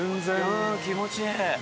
うーん気持ちいい！